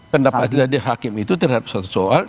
pendapat dari hakim itu terhadap suatu soal